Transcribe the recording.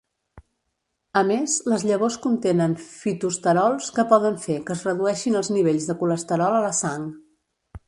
A més, les llavors contenen fitosterols que poden fer que es redueixin els nivells de colesterol a la sang.